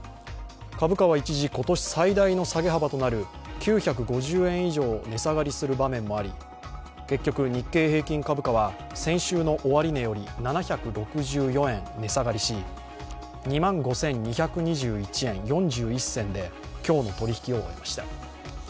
株価は一時、今年最大の下げ幅となる９５０円以上、値下がりする場面もあり結局、日経平均株価は先週の終値より７６４円値下がりし２万５２２１円４１銭で今日の取り引きを終えました。